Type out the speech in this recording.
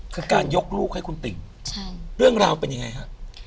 คือการยกลูกให้คุณติ่งเรื่องราวเป็นยังไงฮะ